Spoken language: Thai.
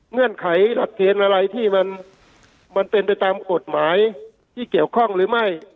เงื่อนไขหลักเกณฑ์อะไรที่มันเป็นไปตามกฎหมายที่เกี่ยวข้องหรือไม่